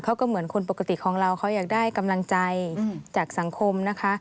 เหมือนคนปกติของเราเขาอยากได้กำลังใจจากสังคมนะคะ